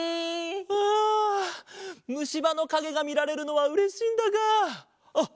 あむしばのかげがみられるのはうれしいんだがあっ！